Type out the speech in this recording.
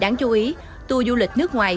đáng chú ý tour du lịch nước ngoài